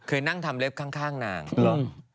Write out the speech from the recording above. เคยนั่งทำเลฟข้างนาง